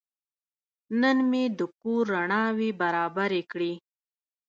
نن مې د کور رڼاوې برابرې کړې.